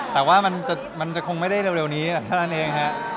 แต่ว่ามันจะคงไม่ได้เร็วนี้เท่านั้นเองฮะ